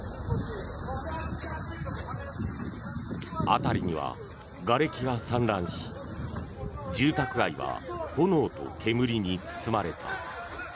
辺りには、がれきが散乱し住宅街は炎と煙に包まれた。